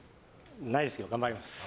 ないですけど頑張ります。